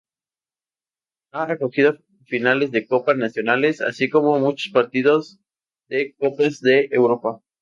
Ha acogido finales de copa nacionales, así como muchos partidos de Copas de Europa.